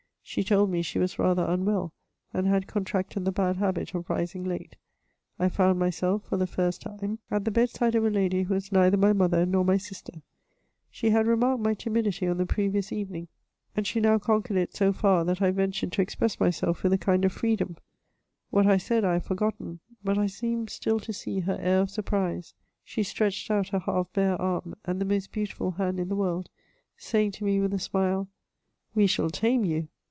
She told me she was rather unwell, and had contracted the bad habit of rising late. I found myself, for the first time, at the bedside of a lady who was neither my mother nor my sister. She had remarked my timidity on the previous evening, and she now J CHATEAUBRIAND. 157 conquered it so far, that I Tentured to express myself with a kind of freedom. What I said I have forgotten ; but I seem stni to see her aur of surprise. She stretched out her half bare arm, and the most beautiful hand in the world, saying to me with a smile, '* We shall tame you."